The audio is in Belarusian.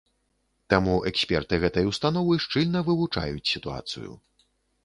Таму эксперты гэтай установы шчыльна вывучаюць сітуацыю.